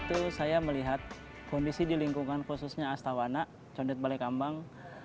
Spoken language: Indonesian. itu saya melihat kondisi di lingkungan khususnya astawana condet balai kambang